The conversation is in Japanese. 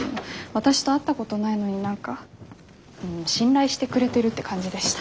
私と会ったことないのに何か信頼してくれてるって感じでした。